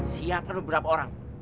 siapkan beberapa orang